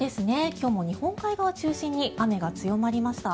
今日も日本海側を中心に雨が強まりました。